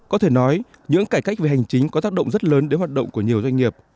có thể nói những cải cách về hành chính có tác động rất lớn đến hoạt động của nhiều doanh nghiệp